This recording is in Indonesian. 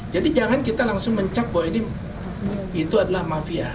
jadi jangan kita langsung mencak bahwa itu adalah mafia